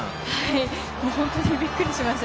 本当にびっくりしました。